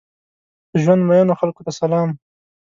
په ژوند مئینو خلکو ته سلام!